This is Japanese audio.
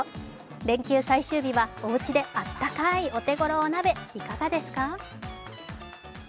連休最終日は、おうちで温かいお手頃お鍋、いかがですか？